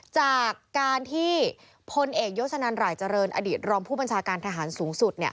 จากการที่พลเอกยศนันหลายเจริญอดีตรองผู้บัญชาการทหารสูงสุด